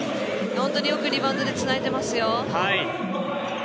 本当によくリバウンドでつないでいますよ。